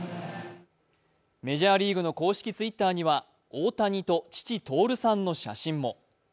メジャーリーグの公式Ｔｗｉｔｔｅｒには大谷と父・徹さんの写真も。